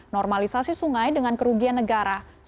normalisasi sungai dengan kerugian negara